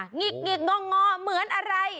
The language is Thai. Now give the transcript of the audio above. หงิกหงิกงอเหมือนอะไร